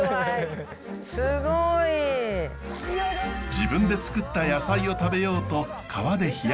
自分でつくった野菜を食べようと川で冷やしていました。